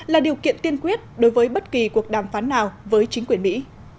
là điều kiện tiên quyết đối với bất kỳ cuộc đàm phán nào với chính quyền mỹ